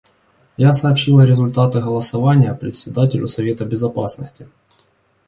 Я сообщила результаты голосования Председателю Совета Безопасности.